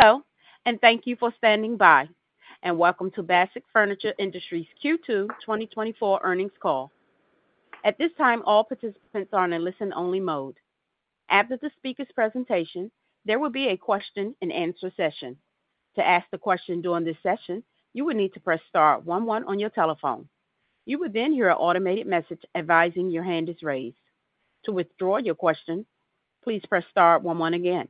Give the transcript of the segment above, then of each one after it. Hello, and thank you for standing by, and welcome to Bassett Furniture Industries' Q2 2024 Earnings Call. At this time, all participants are in a listen-only mode. After the speaker's presentation, there will be a question-and-answer session. To ask the question during this session, you would need to press star one one on your telephone. You will then hear an automated message advising your hand is raised. To withdraw your question, please press star one one again.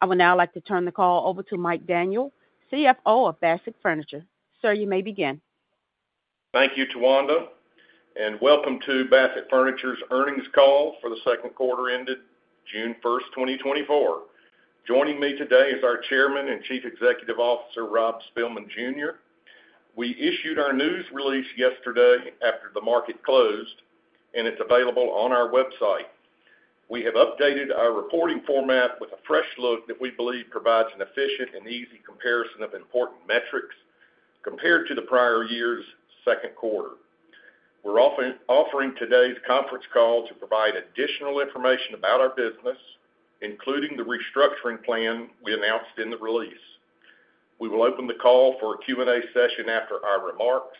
I would now like to turn the call over to Mike Daniel, CFO of Bassett Furniture. Sir, you may begin. Thank you, Tawanda, and welcome to Bassett Furniture's Earnings Call for the Q2 ended June 1, 2024. Joining me today is our Chairman and Chief Executive Officer, Rob Spilman Jr. We issued our news release yesterday after the market closed, and it's available on our website. We have updated our reporting format with a fresh look that we believe provides an efficient and easy comparison of important metrics compared to the prior year's second quarter. We're offering today's conference call to provide additional information about our business, including the restructuring plan we announced in the release. We will open the call for a Q&A session after our remarks.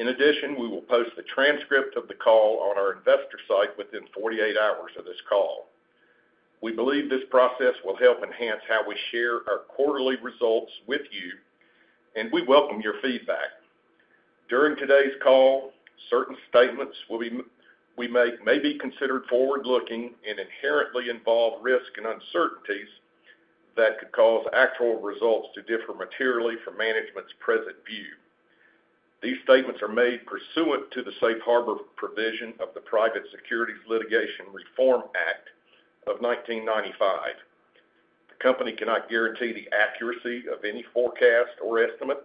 In addition, we will post a transcript of the call on our investor site within 48 hours of this call. We believe this process will help enhance how we share our quarterly results with you, and we welcome your feedback. During today's call, certain statements we make may be considered forward-looking and inherently involve risk and uncertainties that could cause actual results to differ materially from management's present view. These statements are made pursuant to the safe harbor provision of the Private Securities Litigation Reform Act of 1995. The company cannot guarantee the accuracy of any forecast or estimate,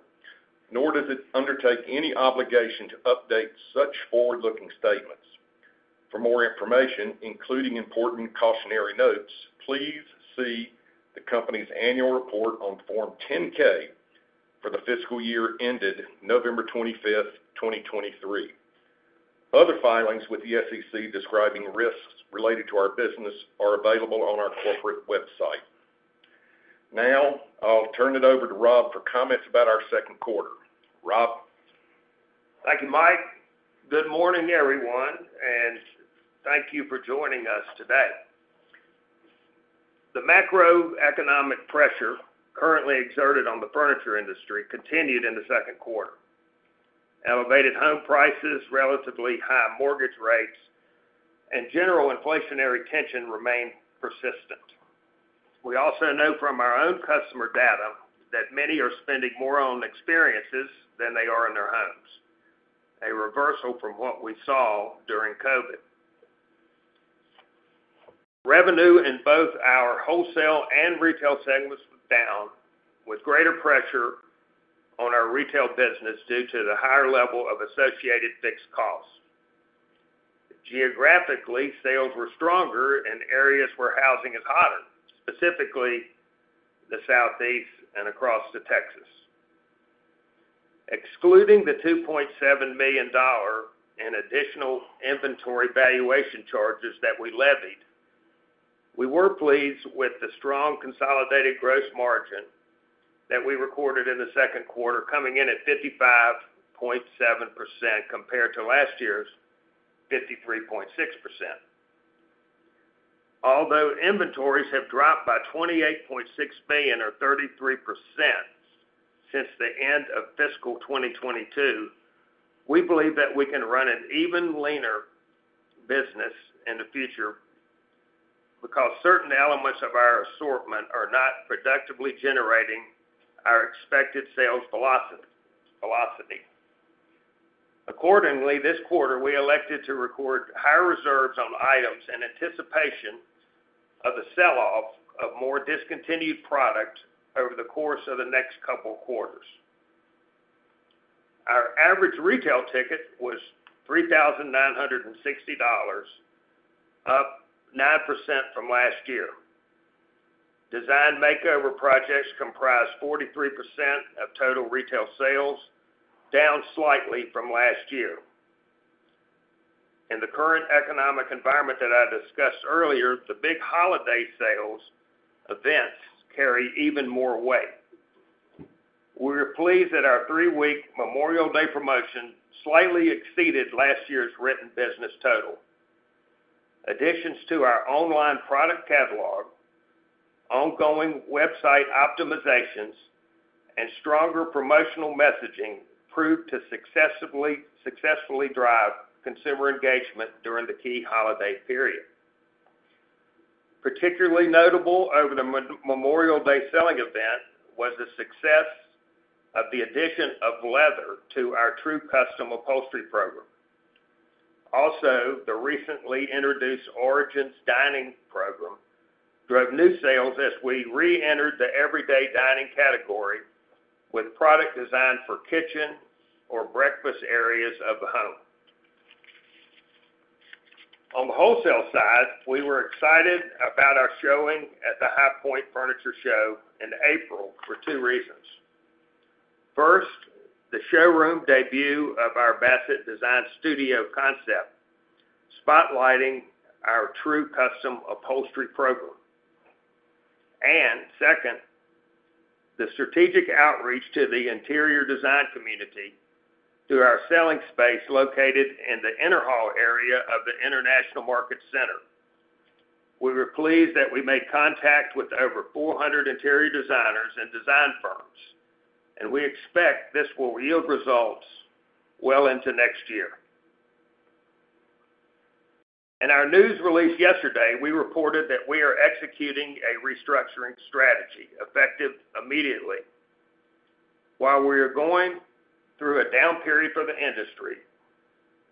nor does it undertake any obligation to update such forward-looking statements. For more information, including important cautionary notes, please see the company's annual report on Form 10-K for the fiscal year ended November 25, 2023. Other filings with the SEC describing risks related to our business are available on our corporate website. Now, I'll turn it over to Rob for comments about our second quarter. Rob? Thank you, Mike. Good morning, everyone, and thank you for joining us today. The macroeconomic pressure currently exerted on the furniture industry continued in the Q2. Elevated home prices, relatively high mortgage rates, and general inflationary tension remain persistent. We also know from our own customer data that many are spending more on experiences than they are in their homes, a reversal from what we saw during COVID. Revenue in both our wholesale and retail segments was down, with greater pressure on our retail business due to the higher level of associated fixed costs. Geographically, sales were stronger in areas where housing is hotter, specifically the Southeast and across Texas. Excluding the $2.7 million in additional inventory valuation charges that we levied, we were pleased with the strong consolidated gross margin that we recorded in the second quarter, coming in at 55.7%, compared to last year's 53.6%. Although inventories have dropped by $28.6 million, or 33%, since the end of fiscal 2022, we believe that we can run an even leaner business in the future because certain elements of our assortment are not productively generating our expected sales velocity. Accordingly, this quarter, we elected to record higher reserves on items in anticipation of the sell-off of more discontinued products over the course of the next couple quarters. Our average retail ticket was $3,960, up 9% from last year. Design makeover projects comprised 43% of total retail sales, down slightly from last year. In the current economic environment that I discussed earlier, the big holiday sales events carry even more weight. We're pleased that our three-week Memorial Day promotion slightly exceeded last year's written business total. Additions to our online product catalog, ongoing website optimizations, and stronger promotional messaging proved to successfully drive consumer engagement during the key holiday period. Particularly notable over the Memorial Day selling event was the success of the addition of leather to our True Custom upholstery program. Also, the recently introduced Origins Dining program drove new sales as we reentered the everyday dining category with product designed for kitchen or breakfast areas of the home. On the wholesale side, we were excited about our showing at the High Point Furniture Show in April for two reasons.... First, the showroom debut of our Bassett Design Studio concept, spotlighting our True Custom upholstery program. Second, the strategic outreach to the interior design community through our selling space located in the inner hall area of the International Market Centers. We were pleased that we made contact with over 400 interior designers and design firms, and we expect this will yield results well into next year. In our news release yesterday, we reported that we are executing a restructuring strategy effective immediately. While we are going through a down period for the industry,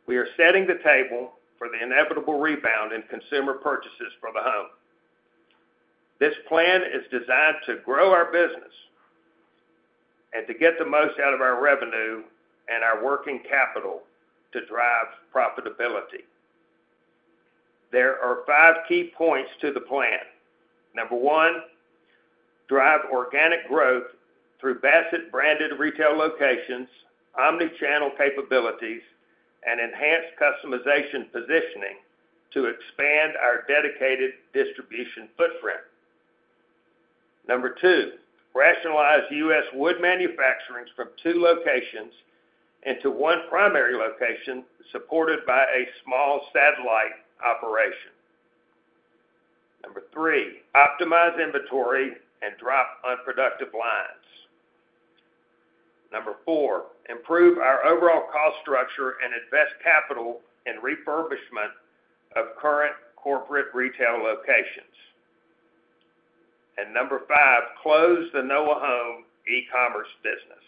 we are setting the table for the inevitable rebound in consumer purchases for the home. This plan is designed to grow our business and to get the most out of our revenue and our working capital to drive profitability. There are five key points to the plan. 1, drive organic growth through Bassett branded retail locations, omnichannel capabilities, and enhanced customization positioning to expand our dedicated distribution footprint. 2, rationalize U.S. wood manufacturing from two locations into one primary location, supported by a small satellite operation. 3, optimize inventory and drop unproductive lines. 4, improve our overall cost structure and invest capital in refurbishment of current corporate retail locations. And 5, close the Noa Home e-commerce business.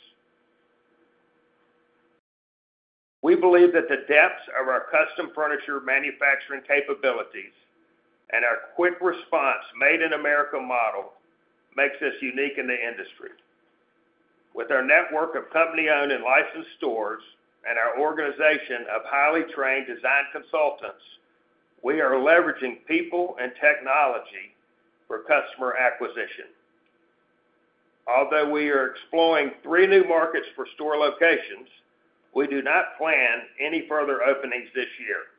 We believe that the depths of our custom furniture manufacturing capabilities and our quick response Made in America model makes us unique in the industry. With our network of company-owned and licensed stores and our organization of highly trained design consultants, we are leveraging people and technology for customer acquisition. Although we are exploring three new markets for store locations, we do not plan any further openings this year.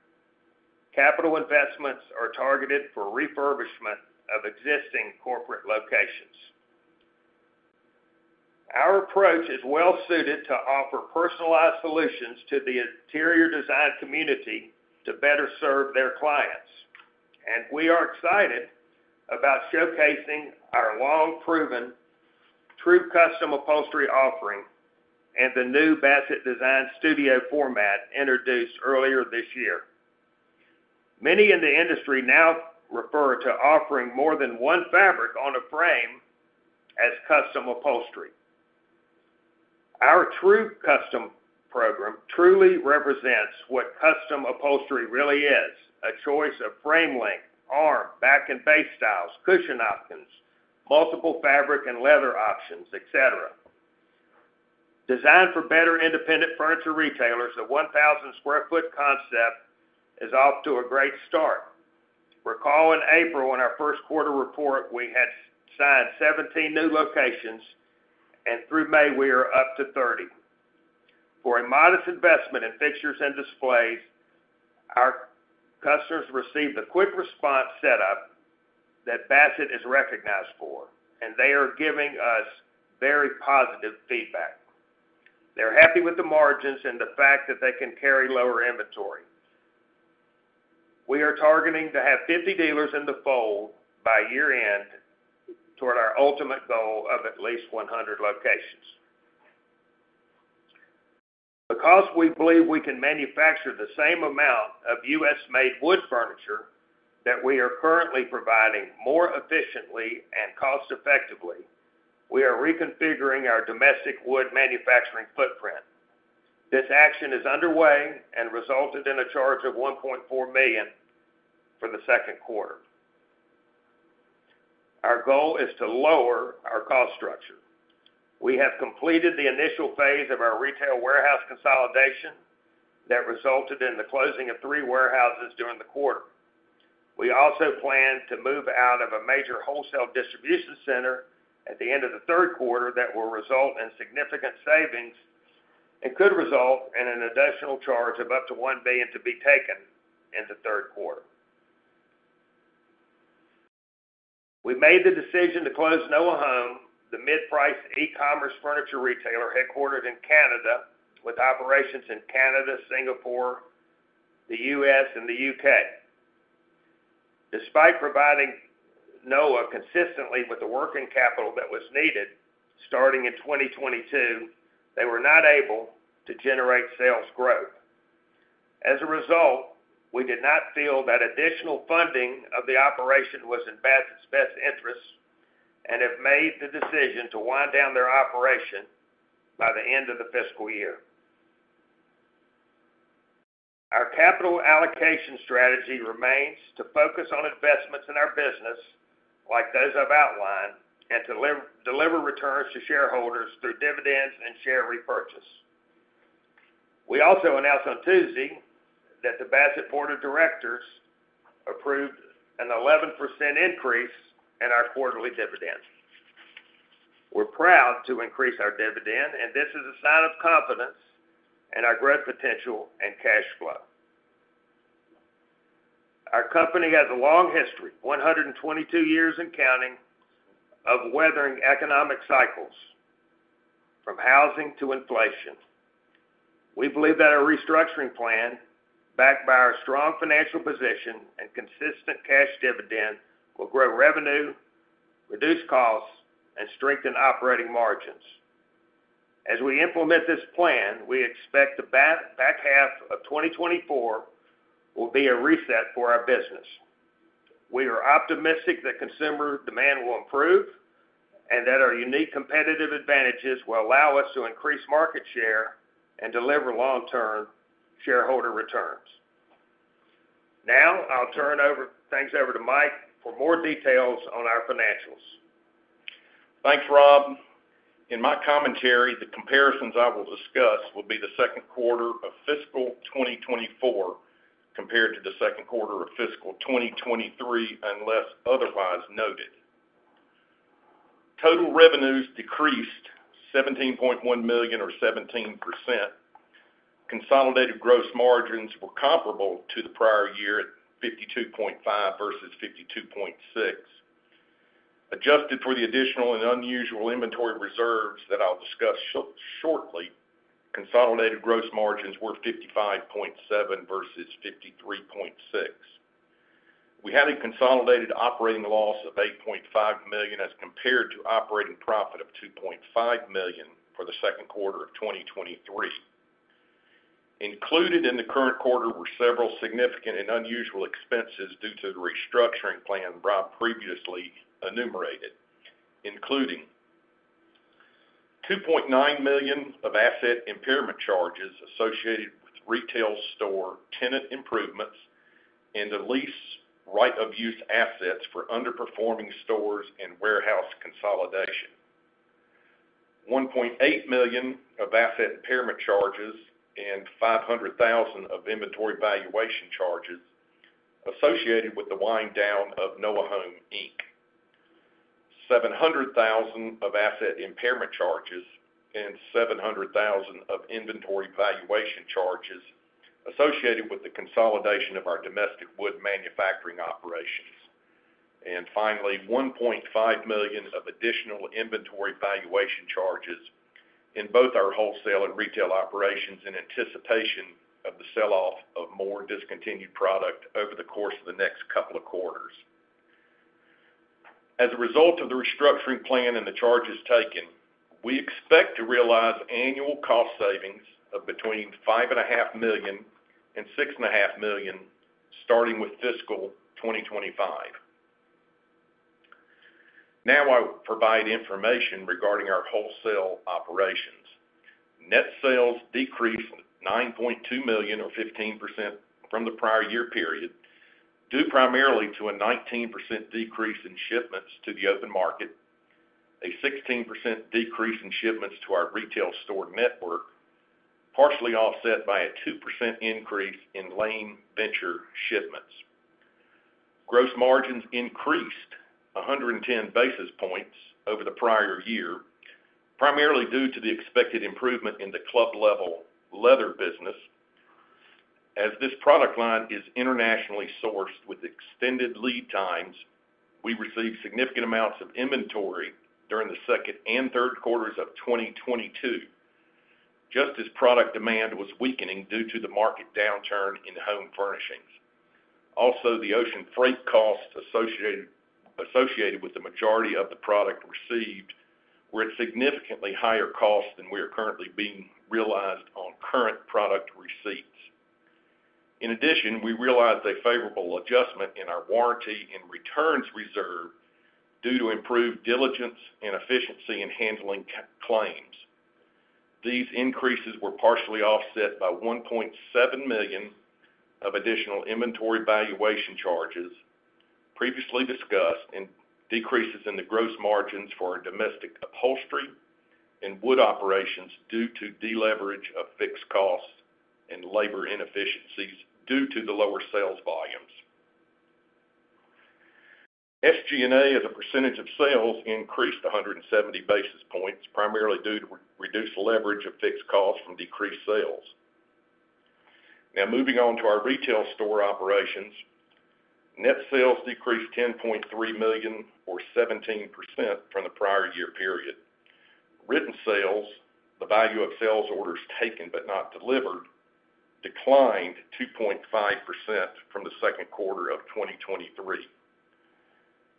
Capital investments are targeted for refurbishment of existing corporate locations. Our approach is well suited to offer personalized solutions to the interior design community to better serve their clients, and we are excited about showcasing our long-proven True Custom upholstery offering and the new Bassett Design Studio format introduced earlier this year. Many in the industry now refer to offering more than one fabric on a frame as custom upholstery. Our True Custom program truly represents what custom upholstery really is: a choice of frame length, arm, back, and base styles, cushion options, multiple fabric and leather options, et cetera. Designed for better independent furniture retailers, the 1,000 sq ft concept is off to a great start. Recall in April, in our first quarter report, we had signed 17 new locations, and through May, we are up to 30. For a modest investment in fixtures and displays, our customers received a quick response setup that Bassett is recognized for, and they are giving us very positive feedback. They're happy with the margins and the fact that they can carry lower inventory. We are targeting to have 50 dealers in the fold by year-end toward our ultimate goal of at least 100 locations. Because we believe we can manufacture the same amount of U.S.-made wood furniture that we are currently providing more efficiently and cost effectively, we are reconfiguring our domestic wood manufacturing footprint. This action is underway and resulted in a charge of $1.4 million for the second quarter. Our goal is to lower our cost structure. We have completed the initial phase of our retail warehouse consolidation that resulted in the closing of three warehouses during the quarter. We also plan to move out of a major wholesale distribution center at the end of the third quarter that will result in significant savings and could result in an additional charge of up to $1 billion to be taken in the Q3. We made the decision to close Noa Home, the mid-price e-commerce furniture retailer, headquartered in Canada, with operations in Canada, Singapore, the U.S., and the U.K. Despite providing Noa consistently with the working capital that was needed, starting in 2022, they were not able to generate sales growth. As a result, we did not feel that additional funding of the operation was in Bassett's best interest and have made the decision to wind down their operation by the end of the fiscal year. Our capital allocation strategy remains to focus on investments in our business, like those I've outlined, and deliver returns to shareholders through dividends and share repurchase. We also announced on Tuesday that the Bassett Board of Directors approved an 11% increase in our quarterly dividend. We're proud to increase our dividend, and this is a sign of confidence in our growth potential and cash flow. Our company has a long history, 122 years and counting, of weathering economic cycles, from housing to inflation. We believe that our restructuring plan, backed by our strong financial position and consistent cash dividend, will grow revenue, reduce costs, and strengthen operating margins. As we implement this plan, we expect the back half of 2024 will be a reset for our business. We are optimistic that consumer demand will improve and that our unique competitive advantages will allow us to increase market share and deliver long-term shareholder returns. Now, I'll turn things over to Mike for more details on our financials. Thanks, Rob. In my commentary, the comparisons I will discuss will be the Q2 of fiscal 2024, compared to the Q2 of fiscal 2023, unless otherwise noted. Total revenues decreased $17.1 million or 17%. Consolidated gross margins were comparable to the prior year at 52.5 versus 52.6. Adjusted for the additional and unusual inventory reserves that I'll discuss shortly, consolidated gross margins were 55.7 versus 53.6. We had a consolidated operating loss of $8.5 million, as compared to operating profit of $2.5 million for the second quarter of 2023. Included in the current quarter were several significant and unusual expenses due to the restructuring plan Rob previously enumerated, including: $2.9 million of asset impairment charges associated with retail store tenant improvements and the lease right of use assets for underperforming stores and warehouse consolidation. $1.8 million of asset impairment charges and $500 thousand of inventory valuation charges associated with the wind down of Noa Home, Inc. $700 thousand of asset impairment charges and $700 thousand of inventory valuation charges associated with the consolidation of our domestic wood manufacturing operations. And finally, $1.5 million of additional inventory valuation charges in both our wholesale and retail operations in anticipation of the sell-off of more discontinued product over the course of the next couple of quarters. As a result of the restructuring plan and the charges taken, we expect to realize annual cost savings of between $5.5 million and $6.5 million, starting with fiscal 2025. Now, I will provide information regarding our wholesale operations. Net sales decreased $9.2 million or 15% from the prior year period, due primarily to a 19% decrease in shipments to the open market, a 16% decrease in shipments to our retail store network, partially offset by a 2% increase in Lane Venture shipments. Gross margins increased 110 basis points over the prior year, primarily due to the expected improvement in the Club Level leather business. As this product line is internationally sourced with extended lead times, we received significant amounts of inventory during the second and third quarters of 2022, just as product demand was weakening due to the market downturn in home furnishings. Also, the ocean freight costs associated with the majority of the product received were at significantly higher costs than we are currently being realized on current product receipts. In addition, we realized a favorable adjustment in our warranty and returns reserve due to improved diligence and efficiency in handling claims. These increases were partially offset by $1.7 million of additional inventory valuation charges previously discussed, and decreases in the gross margins for our domestic upholstery and wood operations due to deleverage of fixed costs and labor inefficiencies due to the lower sales volumes. SG&A, as a percentage of sales, increased 170 basis points, primarily due to reduced leverage of fixed costs from decreased sales. Now, moving on to our retail store operations. Net sales decreased $10.3 million or 17% from the prior year period. Written sales, the value of sales orders taken but not delivered, declined 2.5% from the second quarter of 2023.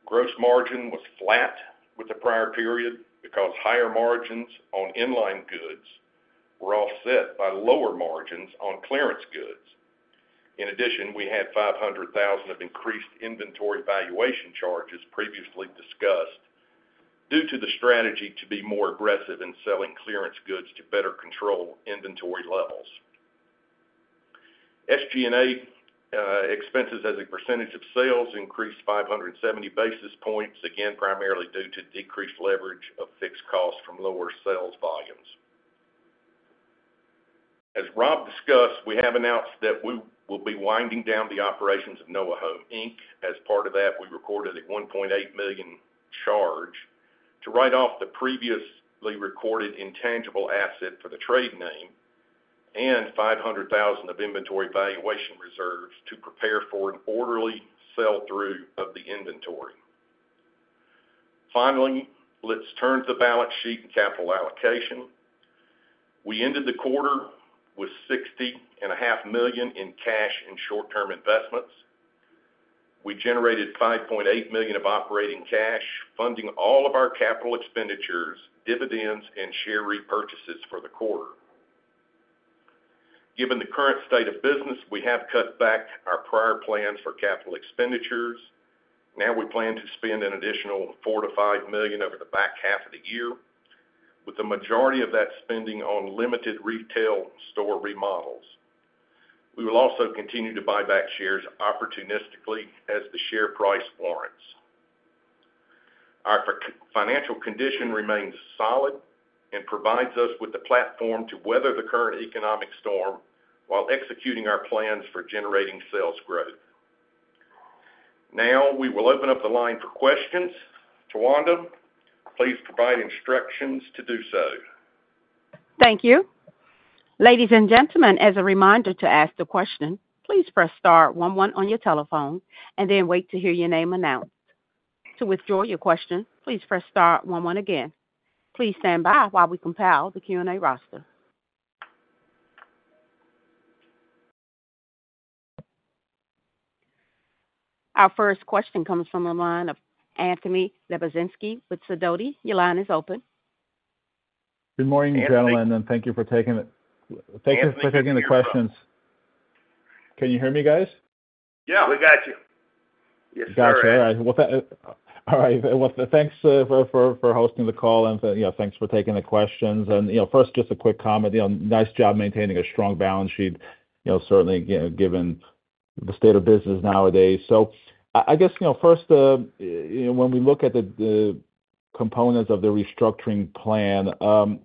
Gross margin was flat with the prior period because higher margins on in-line goods were offset by lower margins on clearance goods. In addition, we had $500,000 of increased inventory valuation charges previously discussed, due to the strategy to be more aggressive in selling clearance goods to better control inventory levels.... SG&A expenses as a percentage of sales increased 570 basis points, again, primarily due to decreased leverage of fixed costs from lower sales volumes. As Rob discussed, we have announced that we will be winding down the operations of Noa Home, Inc. As part of that, we recorded a $1.8 million charge to write off the previously recorded intangible asset for the trade name and $500,000 of inventory valuation reserves to prepare for an orderly sell-through of the inventory. Finally, let's turn to the balance sheet and capital allocation. We ended the quarter with $60.5 million in cash and short-term investments. We generated $5.8 million of operating cash, funding all of our capital expenditures, dividends, and share repurchases for the quarter. Given the current state of business, we have cut back our prior plans for capital expenditures. Now we plan to spend an additional $4 million-$5 million over the back half of the year, with the majority of that spending on limited retail store remodels. We will also continue to buy back shares opportunistically as the share price warrants. Our financial condition remains solid and provides us with the platform to weather the current economic storm while executing our plans for generating sales growth. Now, we will open up the line for questions. Tawanda, please provide instructions to do so. Thank you. Ladies and gentlemen, as a reminder to ask the question, please press star one, one on your telephone and then wait to hear your name announced. To withdraw your question, please press star one, one again. Please stand by while we compile the Q&A roster. Our first question comes from the line of Anthony Lebiedzinski with Sidoti. Your line is open. Good morning, gentlemen, and thank you for taking the- thank you for taking the questions. Can you hear me, guys? Yeah, we got you. Yes, sir. Gotcha. All right. Well, thanks for hosting the call, and, you know, thanks for taking the questions. You know, first, just a quick comment, you know, nice job maintaining a strong balance sheet, you know, certainly, you know, given the state of business nowadays. So I guess, you know, first, you know, when we look at the components of the restructuring plan,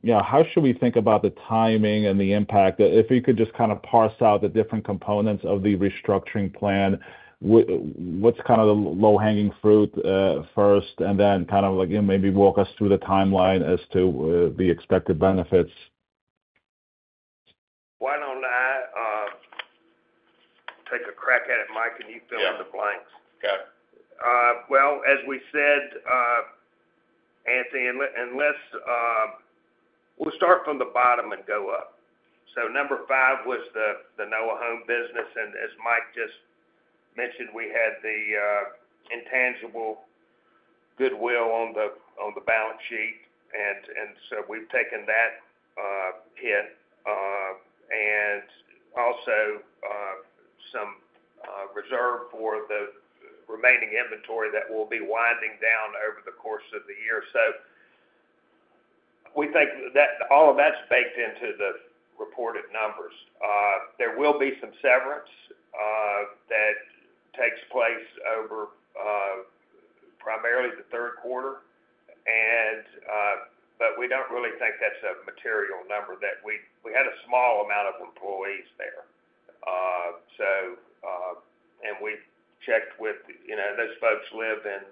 you know, how should we think about the timing and the impact? If you could just kind of parse out the different components of the restructuring plan, what's kind of the low-hanging fruit first, and then kind of, like, maybe walk us through the timeline as to the expected benefits. Why don't I take a crack at it, Mike, and you fill in the blanks. Okay. Well, as we said, Anthony, let's... We'll start from the bottom and go up. So number five was the Noa Home business, and as Mike just mentioned, we had the intangible goodwill on the balance sheet, and so we've taken that hit, and also some reserve for the remaining inventory that we'll be winding down over the course of the year. So we think that all of that's baked into the reported numbers. There will be some severance that takes place over, primarily the third quarter. And but we don't really think that's a material number, that we had a small amount of employees there. And we checked with, you know, those folks live in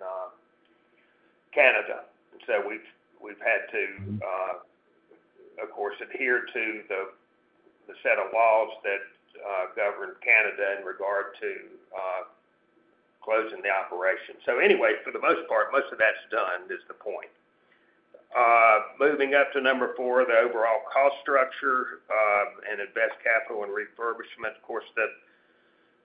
Canada, and so we've had to, of course, adhere to the set of laws that govern Canada in regard to closing the operation. So anyway, for the most part, most of that's done is the point. Moving up to number 4, the overall cost structure, and invest capital and refurbishment. Of course,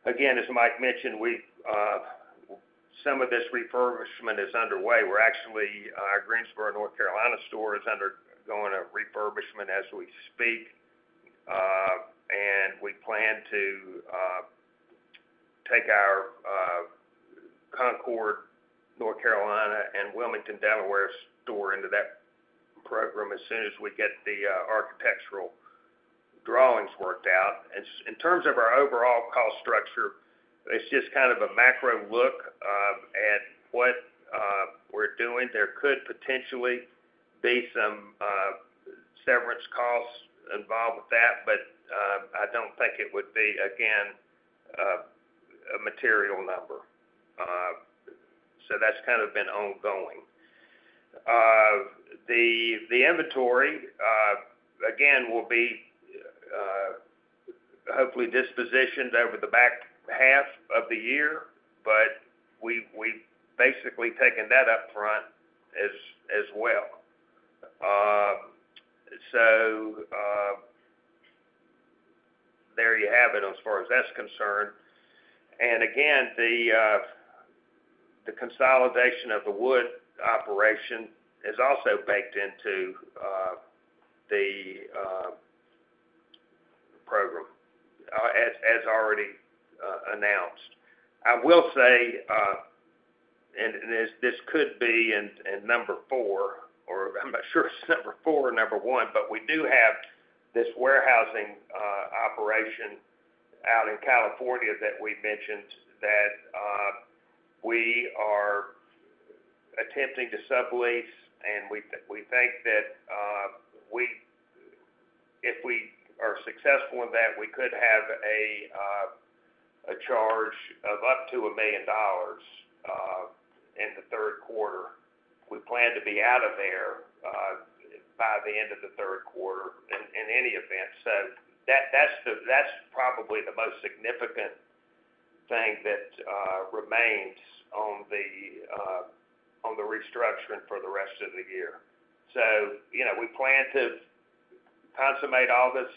again, as Mike mentioned, we've some of this refurbishment is underway. We're actually, our Greensboro, North Carolina store is undergoing a refurbishment as we speak, and we plan to take our Concord, North Carolina, and Wilmington, Delaware store into that program as soon as we get the architectural drawings worked out. And in terms of our overall cost structure, it's just kind of a macro look at what we're doing. There could potentially be some severance costs involved with that, but I don't think it would be, again, a material number. So that's kind of been ongoing. The inventory, again, will be hopefully dispositioned over the back half of the year, but we've basically taken that up front as well. So there you have it as far as that's concerned. And again, the consolidation of the wood operation is also baked into the program as already announced. I will say... This could be in number four, or I'm not sure it's number four or number one, but we do have this warehousing operation out in California that we mentioned that we are attempting to sublease, and we think that if we are successful in that, we could have a charge of up to $1 million in the third quarter. We plan to be out of there by the end of the third quarter, in any event. So that's probably the most significant thing that remains on the restructuring for the rest of the year. So, you know, we plan to consummate all this,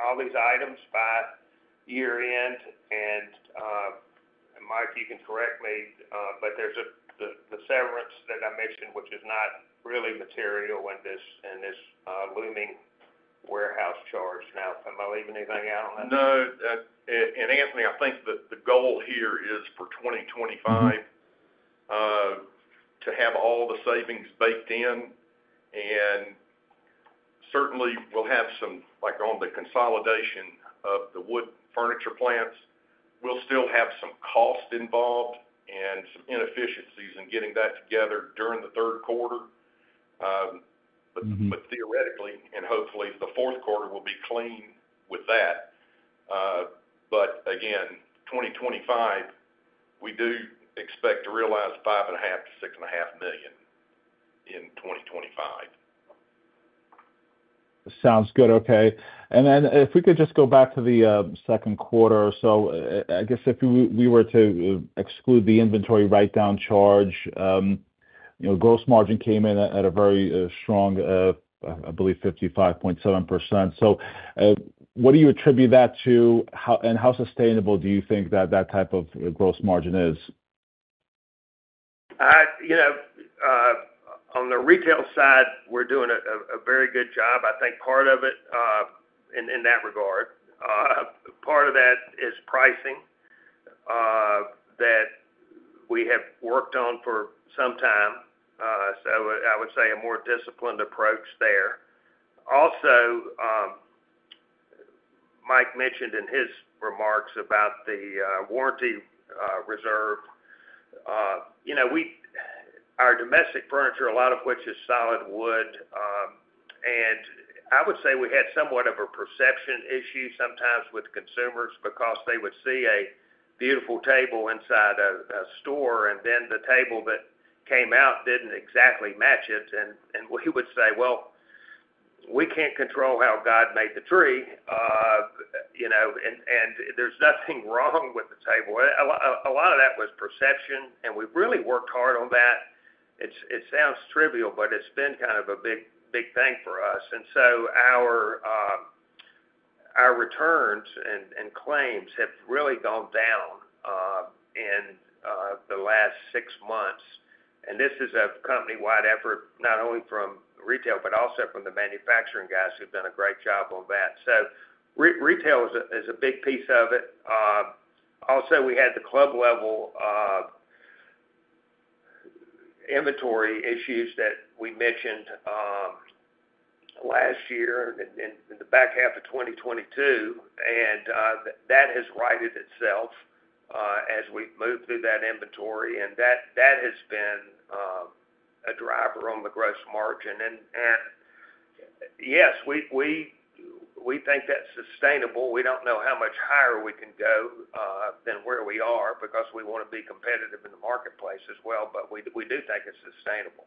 all these items by year-end. And Mike, you can correct me, but there's the severance that I mentioned, which is not really material in this looming warehouse charge. Now, am I leaving anything out on that? No. And Anthony, I think that the goal here is for 2025 to have all the savings baked in. And certainly, we'll have some, like, on the consolidation of the wood furniture plants, we'll still have some cost involved and some inefficiencies in getting that together during the third quarter. Mm-hmm. But theoretically, and hopefully, the fourth quarter will be clean with that. But again, 2025, we do expect to realize $5.5 million-$6.5 million in 2025. Sounds good. Okay. And then if we could just go back to the second quarter. So I guess if we were to exclude the inventory write down charge, you know, gross margin came in at a very strong, I believe 55.7%. So what do you attribute that to? How and how sustainable do you think that type of gross margin is? You know, on the retail side, we're doing a very good job. I think part of it, in that regard, part of that is pricing that we have worked on for some time. So I would say a more disciplined approach there. Also, Mike mentioned in his remarks about the warranty reserve. You know, our domestic furniture, a lot of which is solid wood, and I would say we had somewhat of a perception issue sometimes with consumers because they would see a beautiful table inside a store, and then the table that came out didn't exactly match it. And we would say, "Well, we can't control how God made the tree," you know, and there's nothing wrong with the table. A lot of that was perception, and we've really worked hard on that. It sounds trivial, but it's been kind of a big, big thing for us. And so our returns and claims have really gone down in the last six months. And this is a company-wide effort, not only from retail, but also from the manufacturing guys who've done a great job on that. So retail is a big piece of it. Also, we had the Club Level inventory issues that we mentioned last year in the back half of 2022, and that has righted itself as we've moved through that inventory, and that has been a driver on the Gross Margin. And yes, we think that's sustainable. We don't know how much higher we can go than where we are because we wanna be competitive in the marketplace as well. But we do think it's sustainable.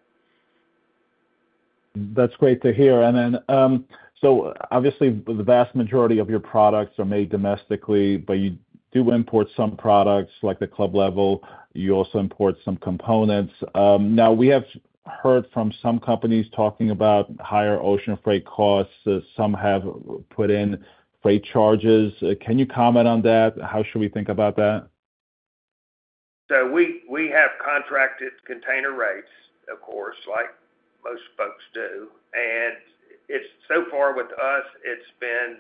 That's great to hear. And then, so obviously, the vast majority of your products are made domestically, but you do import some products, like the Club Level. You also import some components. Now, we have heard from some companies talking about higher ocean freight costs. Some have put in freight charges. Can you comment on that? How should we think about that? So we have contracted container rates, of course, like most folks do, and it's so far with us, it's been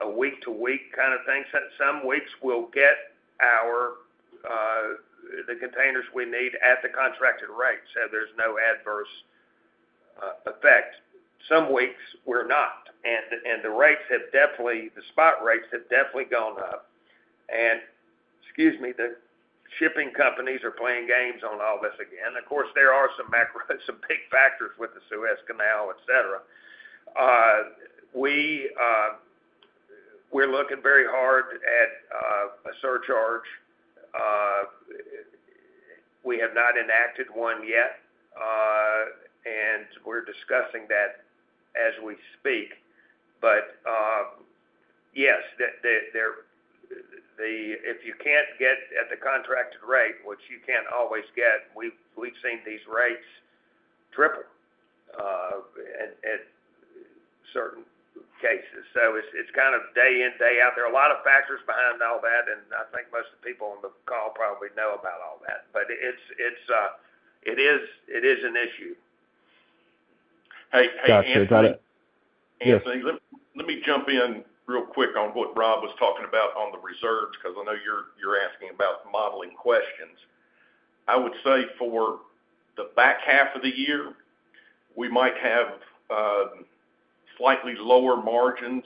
a week-to-week kind of thing. So some weeks we'll get our the containers we need at the contracted rates, so there's no adverse effect. Some weeks we're not, and the rates have definitely, the spot rates have definitely gone up. And, excuse me, the shipping companies are playing games on all this again. Of course, there are some macro, some big factors with the Suez Canal, et cetera. We're looking very hard at a surcharge. We have not enacted one yet, and we're discussing that as we speak. But yes, the... If you can't get at the contracted rate, which you can't always get, we've seen these rates triple at certain cases. So it's kind of day in, day out. There are a lot of factors behind all that, and I think most of the people on the call probably know about all that. But it's an issue.... Hey, Anthony, let me jump in real quick on what Rob was talking about on the reserves, because I know you're asking about modeling questions. I would say for the back half of the year, we might have slightly lower margins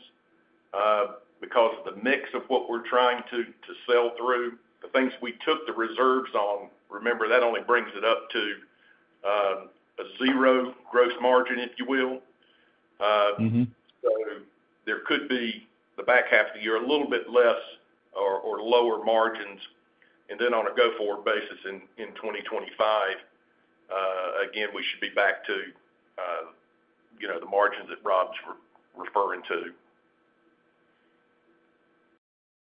because of the mix of what we're trying to sell through. The things we took the reserves on, remember, that only brings it up to a zero Gross Margin, if you will. Mm-hmm. There could be the back half of the year, a little bit less or lower margins. Then on a go-forward basis in 2025, again, we should be back to, you know, the margins that Rob's referring to.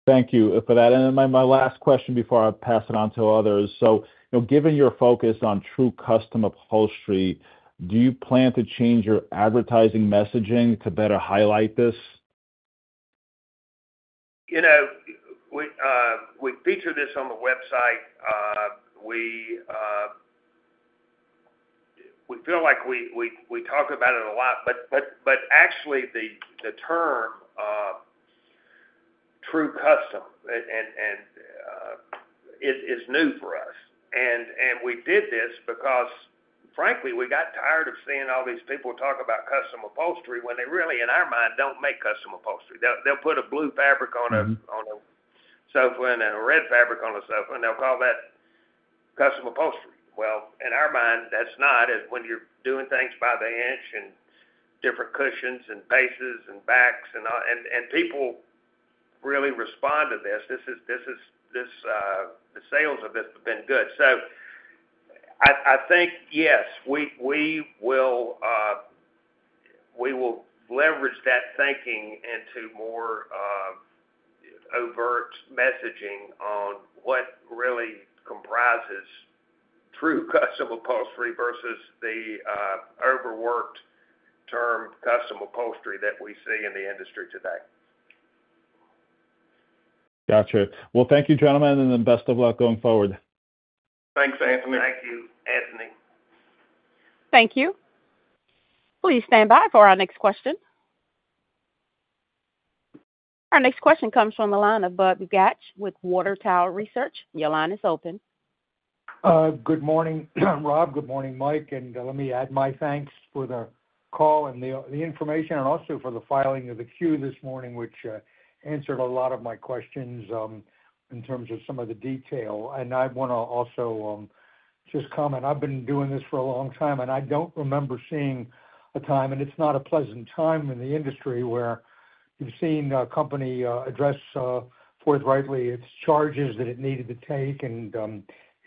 Thank you for that. Then my last question before I pass it on to others. Given your focus on True Custom upholstery, do you plan to change your advertising messaging to better highlight this? You know, we feature this on the website. We feel like we talk about it a lot, but actually the term True Custom is new for us. And we did this because, frankly, we got tired of seeing all these people talk about custom upholstery when they really, in our mind, don't make custom upholstery. They'll put a blue fabric on a- Mm-hmm... on a sofa and a red fabric on a sofa, and they'll call that custom upholstery. Well, in our mind, that's not. When you're doing things by the inch and different cushions and bases and backs and all, and people really respond to this. This is the sales of this have been good. So I think, yes, we will leverage that thinking into more overt messaging on what really comprises true custom upholstery versus the overworked term, custom upholstery, that we see in the industry today. Got you. Well, thank you, gentlemen, and then best of luck going forward. Thanks, Anthony. Thank you, Anthony. Thank you. Please stand by for our next question. Our next question comes from the line of Budd Bugatch with Water Tower Research. Your line is open. Good morning, Rob. Good morning, Mike. And let me add my thanks for the call and the information, and also for the filing of the Q this morning, which answered a lot of my questions in terms of some of the detail. And I want to also just comment. I've been doing this for a long time, and I don't remember seeing a time, and it's not a pleasant time in the industry, where you've seen a company address forthrightly its charges that it needed to take and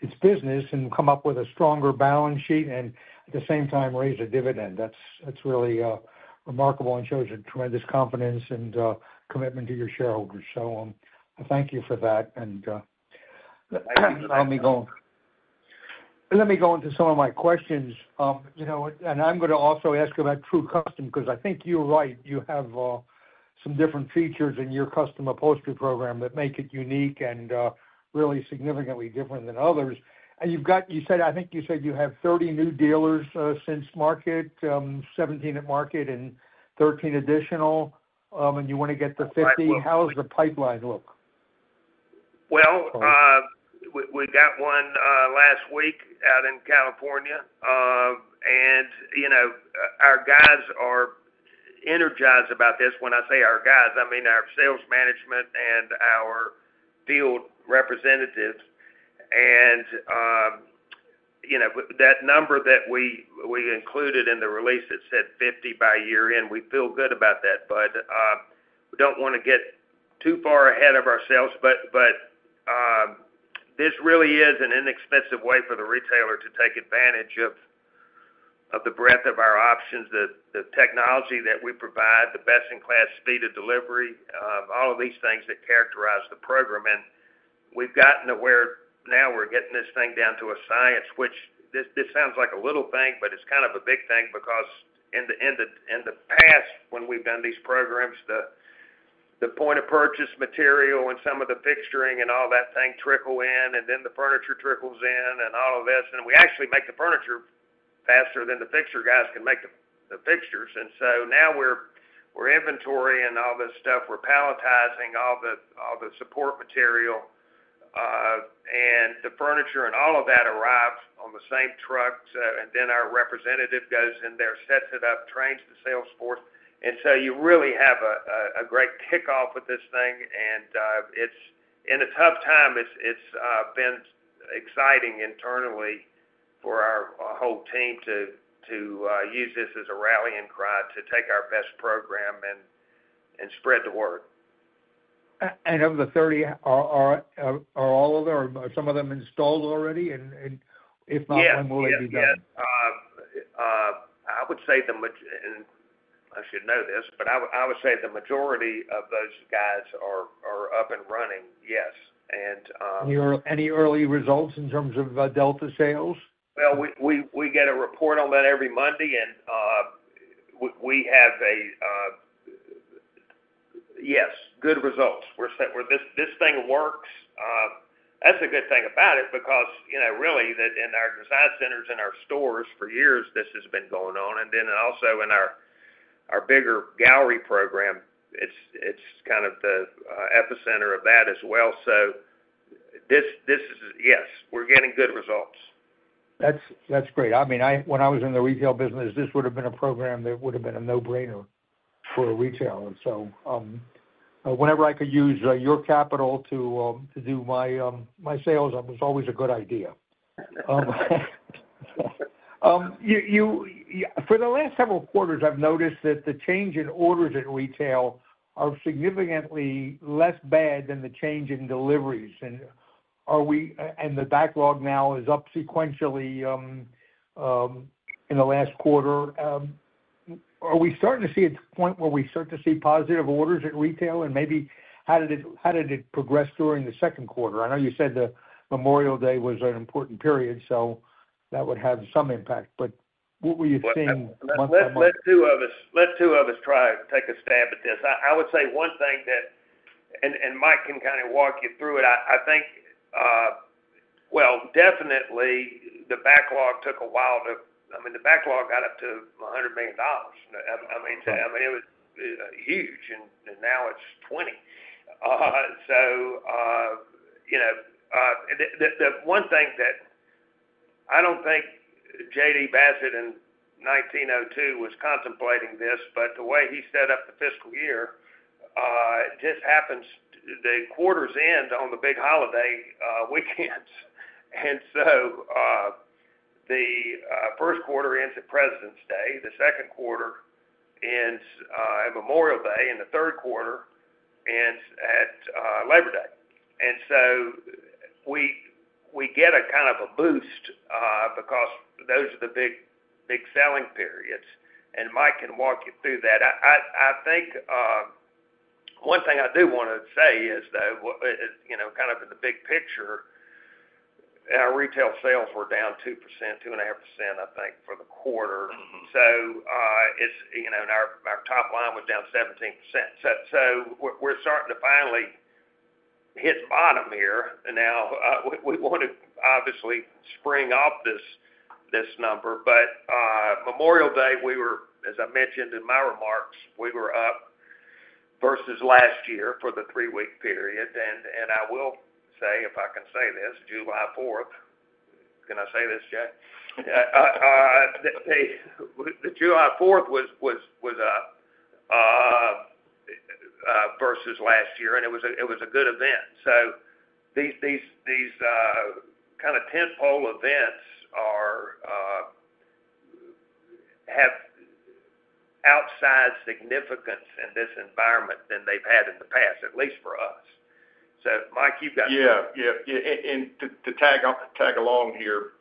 its business and come up with a stronger balance sheet and at the same time raise a dividend. That's really remarkable and shows a tremendous confidence and commitment to your shareholders. So, thank you for that. And let me go into some of my questions. You know, and I'm going to also ask about True Custom, because I think you're right. You have some different features in your custom upholstery program that make it unique and really significantly different than others. And you've got, you said, I think you said you have 30 new dealers since market, 17 at market and 13 additional, and you want to get to 50. How does the pipeline look? Well, we got one last week out in California. You know, our guys are energized about this. When I say our guys, I mean, our sales management and our field representatives. You know, that number that we included in the release that said 50 by year-end, we feel good about that, Budd. We don't want to get too far ahead of ourselves, but this really is an inexpensive way for the retailer to take advantage of the breadth of our options, the technology that we provide, the best-in-class speed of delivery, all of these things that characterize the program. And we've gotten to where now we're getting this thing down to a science, which this sounds like a little thing, but it's kind of a big thing because in the past, when we've done these programs, the point of purchase material and some of the fixturing and all that thing trickle in, and then the furniture trickles in and all of this, and we actually make the furniture faster than the fixture guys can make the fixtures. And so now we're inventorying all this stuff. We're palletizing all the support material, and the furniture and all of that arrives on the same trucks. And then our representative goes in there, sets it up, trains the sales force. And so you really have a great kickoff with this thing, and it's in a tough time. It's been exciting internally for our whole team to use this as a rallying cry to take our best program and spread the word. And of the 30, are all of them or are some of them installed already? And if not, when will they be done? Yes, yes, yes. I would say the majority, and I should know this, but I would say the majority of those guys are up and running, yes. And Any early results in terms of delta sales? Well, we get a report on that every Monday, and we have a... Yes, good results. We're set, where this thing works. That's a good thing about it because, you know, really, that in our design centers and our stores for years, this has been going on, and then also in our bigger gallery program, it's kind of the epicenter of that as well. So this is, yes, we're getting good results. That's great. I mean, when I was in the retail business, this would have been a program that would have been a no-brainer for a retailer. So, whenever I could use your capital to do my sales, it was always a good idea. For the last several quarters, I've noticed that the change in orders at retail are significantly less bad than the change in deliveries. And the backlog now is up sequentially in the last quarter. Are we starting to see a point where we start to see positive orders at retail? And maybe how did it progress during the second quarter? I know you said the Memorial Day was an important period, so that would have some impact, but what were you seeing month by month? Let two of us try to take a stab at this. I would say one thing that... And Mike can kind of walk you through it. I think, well, definitely, the backlog took a while to—I mean, the backlog got up to $100 million. I mean, it was huge, and now it's $20 million. So, you know, the one thing that I don't think J.D. Bassett in 1902 was contemplating this, but the way he set up the fiscal year just happens the quarters end on the big holiday weekends. And so, the first quarter ends at President's Day, the second quarter ends at Memorial Day, and the third quarter ends at Labor Day. And so we get a kind of a boost because those are the big, big selling periods, and Mike can walk you through that. I think one thing I do want to say is, though, you know, kind of in the big picture, our retail sales were down 2%, 2.5%, I think, for the quarter. Mm-hmm. So, it's, you know, and our top line was down 17%. So, we're starting to finally hit bottom here. And now, we want to obviously spring off this number. But, Memorial Day, as I mentioned in my remarks, we were up versus last year for the three-week period. And, I will say, if I can say this, July fourth... Can I say this, Jay? The July fourth was versus last year, and it was a good event. So these kind of tentpole events have outsized significance in this environment than they've had in the past, at least for us. So, Mike, you've got- Yeah, yeah. Yeah, and to tag along here,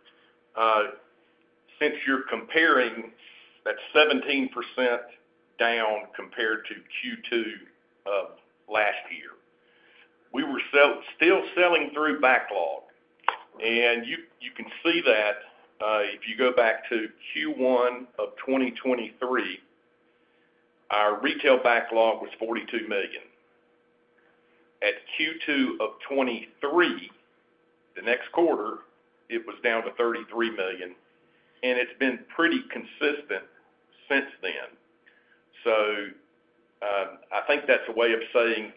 since you're comparing that 17% down compared to Q2 of last year, we were still selling through backlog. And you can see that, if you go back to Q1 of 2023, our retail backlog was $42 million. At Q2 of 2023, the next quarter, it was down to $33 million, and it's been pretty consistent since then. So, I think that's a way of saying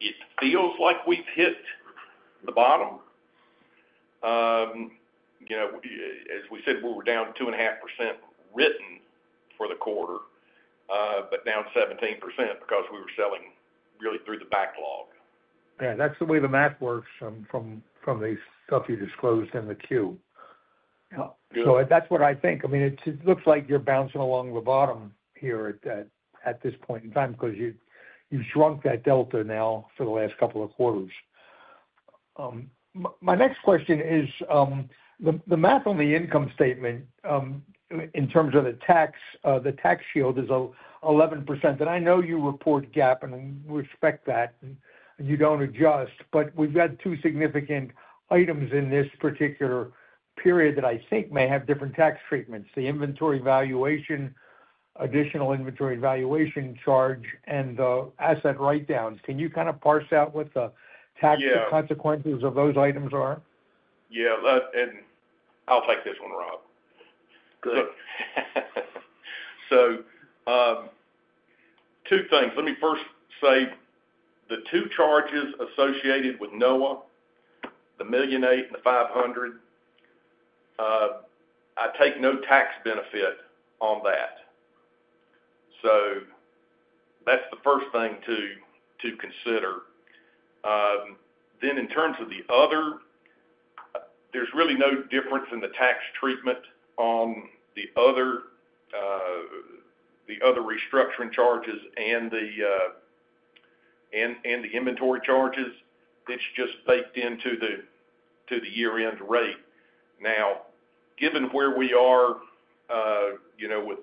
it feels like we've hit the bottom. You know, as we said, we were down 2.5% written for the quarter, but down 17% because we were selling really through the backlog. Yeah, that's the way the math works from the stuff you disclosed in the queue. Yeah. So that's what I think. I mean, it looks like you're bouncing along the bottom here at this point in time, because you've shrunk that delta now for the last couple of quarters. My next question is, the math on the income statement, in terms of the tax, the tax shield is 11%. And I know you report GAAP and respect that, and you don't adjust, but we've had two significant items in this particular period that I think may have different tax treatments: the inventory valuation, additional inventory valuation charge, and the asset write-downs. Can you kind of parse out what the- Yeah... tax consequences of those items are? Yeah, and I'll take this one, Rob. Good. So, two things. Let me first say, the two charges associated with Noa, the $1.8 million and the $500,000, I take no tax benefit on that. So that's the first thing to consider. Then in terms of the other, there's really no difference in the tax treatment on the other restructuring charges and the inventory charges. It's just baked into the year-end rate. Now, given where we are, you know, with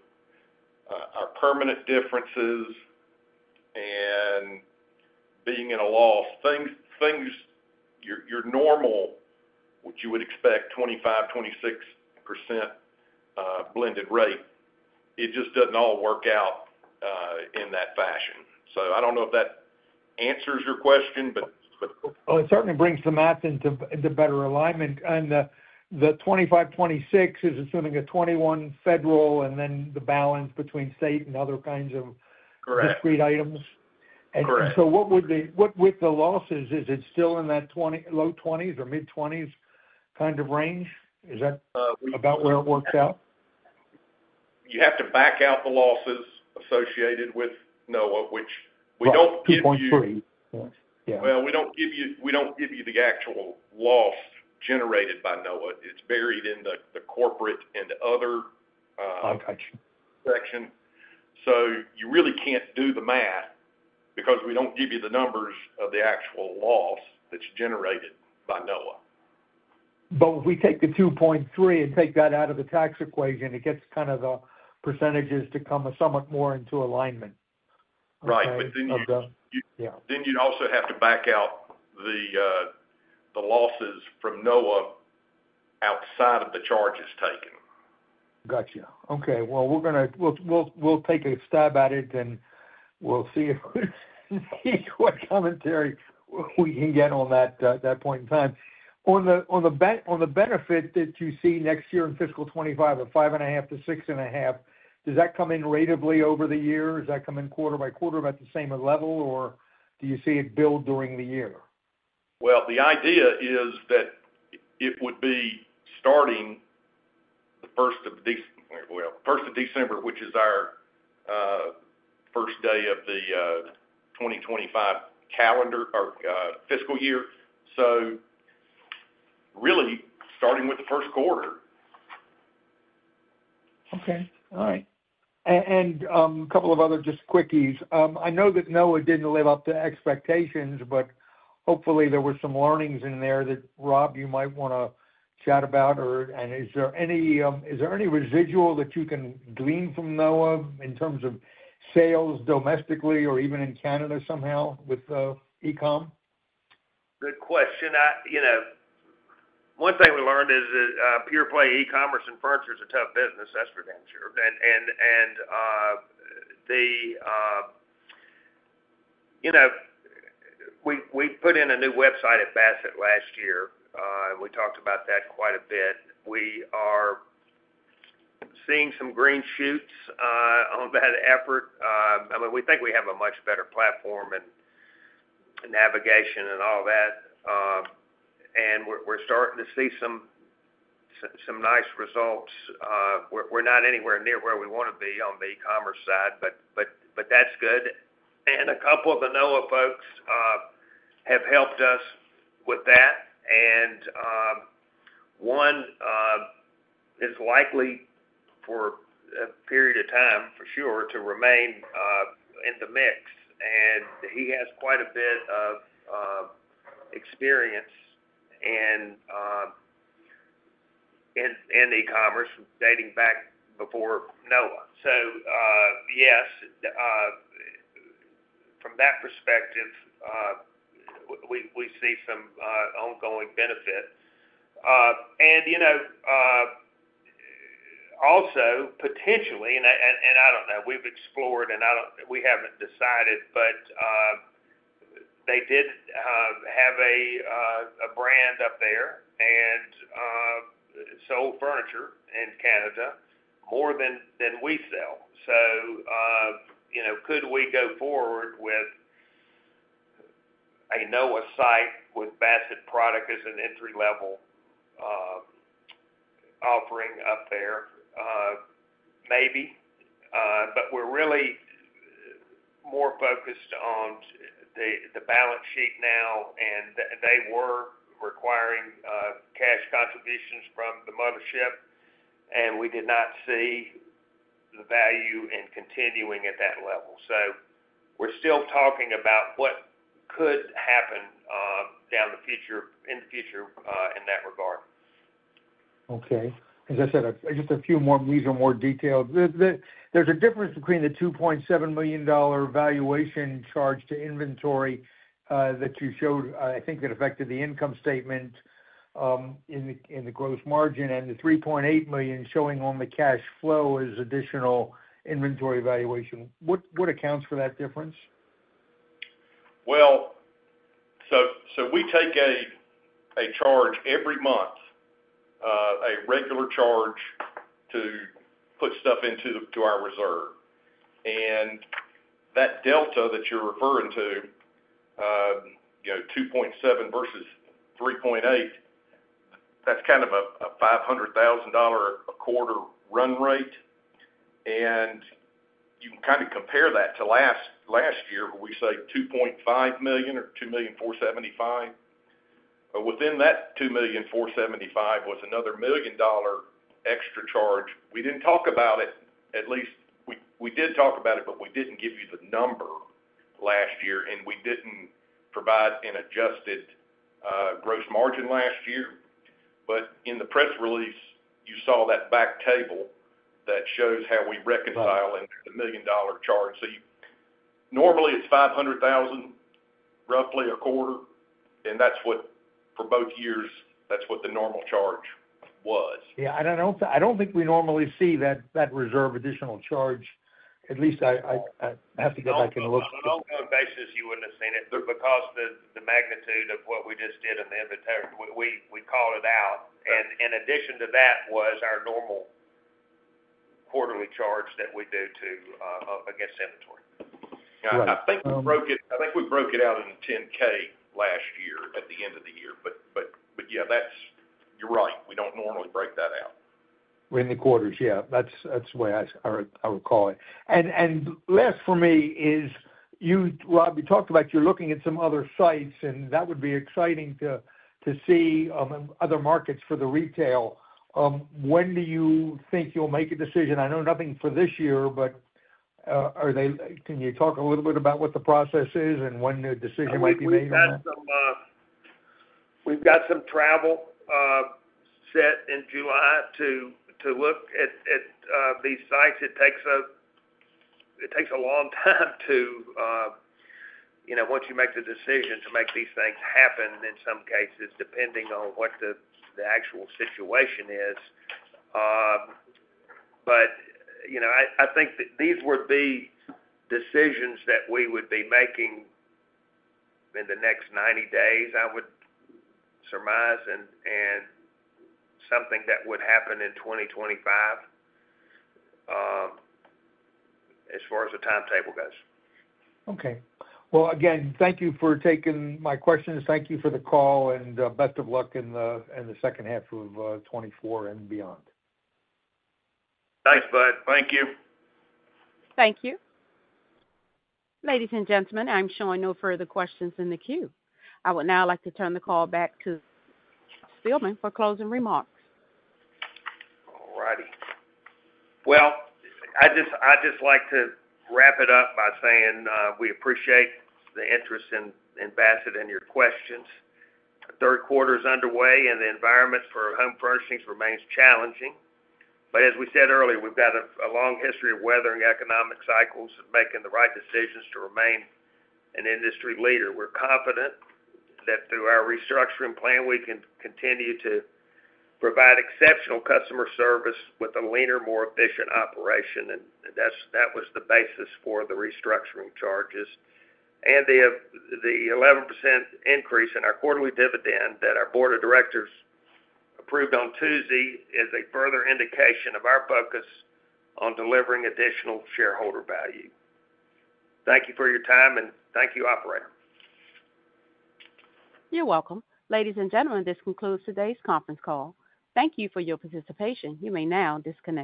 our permanent differences and-... things, your normal, what you would expect, 25%-26% blended rate, it just doesn't all work out in that fashion. So I don't know if that answers your question, but- Well, it certainly brings the math into better alignment. The 25-26 is assuming a 21 federal, and then the balance between state and other kinds of- Correct. Discrete items. Correct. So, what with the losses, is it still in that 20, low 20s or mid-20s kind of range? Is that about where it works out? You have to back out the losses associated with Noa, which we don't give you- 2.3, yes. Yeah. Well, we don't give you, we don't give you the actual loss generated by Noa. It's buried in the corporate and other, Okay Section. So you really can't do the math because we don't give you the numbers of the actual loss that's generated by Noa. But if we take the 2.3 and take that out of the tax equation, it gets kind of the percentages to come somewhat more into alignment. Right. But then you- Yeah. Then you'd also have to back out the losses from Noa outside of the charges taken. Got you. Okay, well, we'll take a stab at it, and we'll see what commentary we can get on that point in time. On the benefit that you see next year in fiscal 2025, at $5.5-$6.5, does that come in ratably over the year? Does that come in quarter by quarter at about the same level, or do you see it build during the year? Well, the idea is that it would be starting the first of December, which is our first day of the 2025 calendar or fiscal year. So really, starting with the first quarter. Okay. All right. And a couple of other just quickies. I know that Noa didn't live up to expectations, but hopefully there were some learnings in there that, Rob, you might wanna chat about, or and is there any residual that you can glean from Noa in terms of sales domestically or even in Canada somehow with e-com? Good question. I, you know, one thing we learned is that pure play e-commerce and furniture is a tough business. That's for damn sure. And, you know, we put in a new website at Bassett last year, and we talked about that quite a bit. We are seeing some green shoots on that effort. I mean, we think we have a much better platform and navigation and all that, and we're starting to see some nice results. We're not anywhere near where we wanna be on the e-commerce side, but that's good. And a couple of the Noa folks have helped us with that, and one is likely for a period of time, for sure, to remain in the mix. And he has quite a bit of experience in e-commerce, dating back before Noa. So, yes, from that perspective, we see some ongoing benefit. And, you know, also potentially, and I don't know, we've explored and I don't we haven't decided, but they did have a brand up there and sold furniture in Canada more than we sell. So, you know, could we go forward with a Noa site with Bassett product as an entry-level offering up there? Maybe, but we're really more focused on the balance sheet now, and they were requiring cash contributions from the mothership, and we did not see the value in continuing at that level. So we're still talking about what could happen, in the future, in that regard. Okay. As I said, just a few more... These are more detailed. There's a difference between the $2.7 million valuation charge to inventory, that you showed, I think that affected the income statement, in the gross margin and the $3.8 million showing on the cash flow as additional inventory valuation. What accounts for that difference? Well, so we take a charge every month, a regular charge to put stuff into our reserve. And that delta that you're referring to, you know, 2.7 versus 3.8, that's kind of a $500,000 a quarter run rate. And you can kinda compare that to last year, where we say $2.5 million or $2,475,000. But within that $2,475,000 was another $1 million extra charge. We didn't talk about it, at least we did talk about it, but we didn't give you the number last year, and we didn't provide an adjusted gross margin last year. But in the press release, you saw that back table that shows how we reconcile in the $1 million charge. So, normally, it's $500,000, roughly a quarter, and that's what, for both years, that's what the normal charge was. Yeah, I don't think we normally see that reserve additional charge. At least I have to go back and look. On an ongoing basis, you wouldn't have seen it, but because the magnitude of what we just did in the inventory, we called it out. And in addition to that was our normal quarterly charge that we do to against inventory. Right. I think we broke it, I think we broke it out in the 10-K last year at the end of the year. But, but, but yeah, that's, you're right. We don't normally break that out. In the quarters, yeah, that's, that's the way I, I would call it. And, and last for me is you, well, you talked about you're looking at some other sites, and that would be exciting to, to see other markets for the retail. When do you think you'll make a decision? I know nothing for this year, but can you talk a little bit about what the process is and when a decision might be made? We've got some travel set in July to look at these sites. It takes a long time to, you know, once you make the decision to make these things happen in some cases, depending on what the actual situation is. But, you know, I think that these would be decisions that we would be making in the next 90 days, I would surmise, and something that would happen in 2025, as far as the timetable goes. Okay. Well, again, thank you for taking my questions. Thank you for the call, and best of luck in the second half of 2024 and beyond. Thanks, Budd. Thank you. Thank you. Ladies and gentlemen, I'm showing no further questions in the queue. I would now like to turn the call back to Spilman for closing remarks. All righty. Well, I'd just, I'd just like to wrap it up by saying, we appreciate the interest in, in Bassett and your questions. Q3 is underway, and the environment for home furnishings remains challenging. But as we said earlier, we've got a long history of weathering economic cycles and making the right decisions to remain an industry leader. We're confident that through our restructuring plan, we can continue to provide exceptional customer service with a leaner, more efficient operation, and that's what was the basis for the restructuring charges. And the 11% increase in our quarterly dividend that our board of directors approved on Tuesday is a further indication of our focus on delivering additional shareholder value. Thank you for your time, and thank you, Operator. You're welcome. Ladies and gentlemen, this concludes today's conference call. Thank you for your participation. You may now disconnect.